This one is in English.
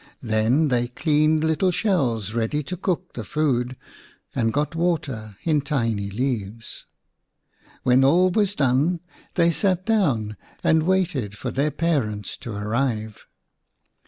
Then they cleaned little shells ready to cook the food, and got water in tiny leaves. When all was done they sat down and waited for their parents to arrive.